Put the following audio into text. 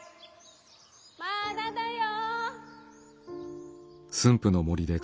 まだだよ！